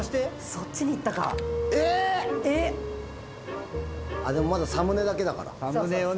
そっちにいったかえっでもまだサムネだけだからサムネをね